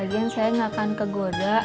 lagian saya gak akan kegoda